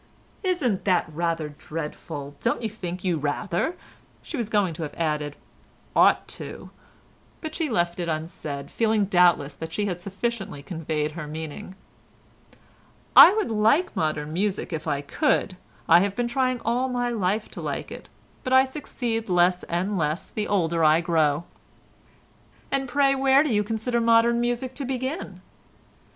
"Isn't that rather dreadful?—Don't you think you rather"—she was going to have added, "ought to?" but she left it unsaid, feeling doubtless that she had sufficiently conveyed her meaning. "I would like modern music, if I could; I have been trying all my life to like it, but I succeed less and less the older I grow." "And pray, where do you consider modern music to begin?"